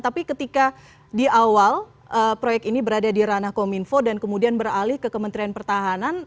tapi ketika di awal proyek ini berada di ranah kominfo dan kemudian beralih ke kementerian pertahanan